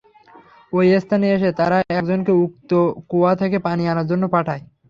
ঐ স্থানে এসে তারা একজনকে উক্ত কূয়া থেকে পানি আনার জন্যে পাঠায়।